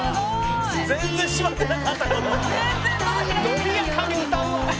「伸びやかに歌うわ！」